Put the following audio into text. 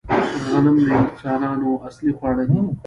غنم د انسانانو اصلي خواړه دي